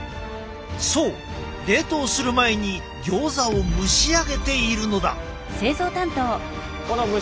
そう冷凍する前にギョーザを蒸し上げているのだ。